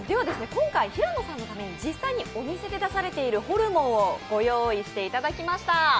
今回、平野さんにために実際お店で出されているホルモンをご用意しました。